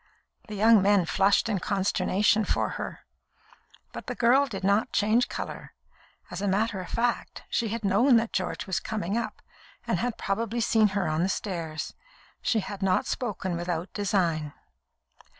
The young men flushed in consternation for her, but the girl did not change colour. As a matter of fact, she had known that George was coming up, and had probably seen her on the stairs. She had not spoken without design.